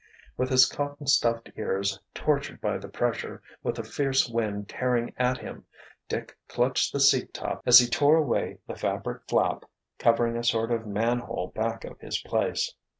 With his cotton stuffed ears tortured by the pressure, with the fierce wind tearing at him, Dick clutched the seat top as he tore away the fabric flap covering a sort of manhole back of his place.